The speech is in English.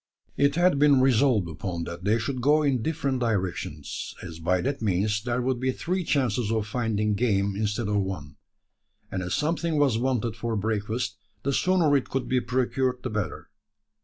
It had been resolved upon that they should go in different directions: as by that means there would be three chances of finding game instead of one; and as something was wanted for breakfast, the sooner it could be procured the better.